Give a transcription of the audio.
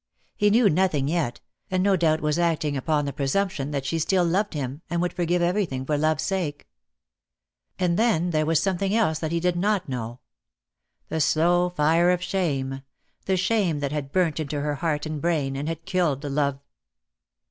He knew nothing yet, and no doubt was acting upon the presumption that she still DEAD LOVE HAS CHAINS. 235 loved him, and would forgive eveiything for love's sake. And then there was something else that he did not know; the slow fire of shame, the shame that had burnt into her heart and brain, and had killed love.